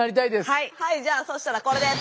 じゃあそしたらこれです。